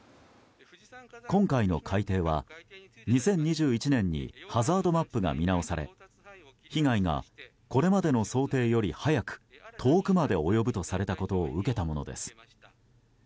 今回の改定は２０２１年にハザードマップが見直され被害がこれまでの想定より早く遠くまで及ぶとされることを受けたものです。